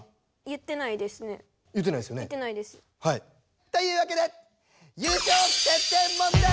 言ってないですよね。というわけでやった！